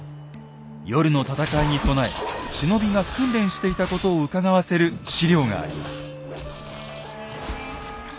夜の戦いに備え忍びが訓練していたことをうかがわせる史料があります。